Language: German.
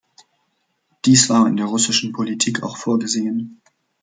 Dies war in der russischen Politik auch vorgesehen.